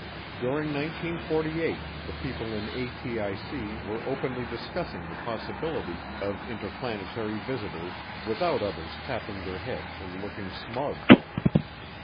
During 1948 the people in ATIC were openly discussing the possibility of interplanetary visitors without others tapping their heads and looking smug.